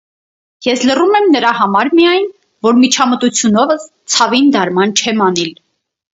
Ես լռում եմ նրա համար միայն, որ միջամտությունովս ցավին դարման չեմ անիլ: